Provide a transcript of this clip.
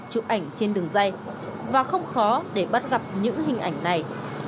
chụp ảnh trên đường dây và không khó để bắt gặp những hình ảnh này